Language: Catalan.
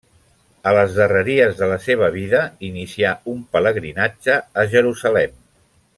A les darreries de la seva vida inicià un pelegrinatge a Jerusalem.